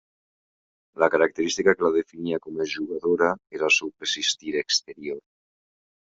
La característica que la definia com a jugadora era el seu precís tir exterior.